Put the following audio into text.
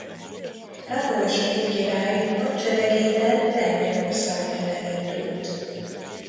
Károly svéd király hadseregével Lengyelország ellen indult.